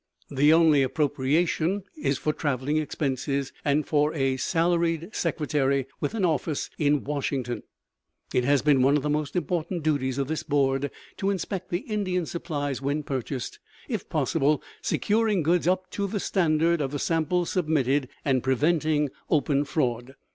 The only appropriation is for travelling expenses and for a salaried secretary with an office in Washington. It has been one of the important duties of this Board to inspect the Indian supplies when purchased, if possible securing goods up to the standard of the samples submitted and preventing open fraud.